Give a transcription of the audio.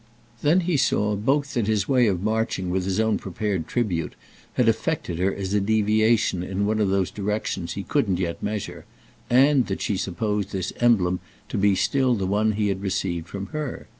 Then he saw both that his way of marching with his own prepared tribute had affected her as a deviation in one of those directions he couldn't yet measure, and that she supposed this emblem to be still the one he had received from her.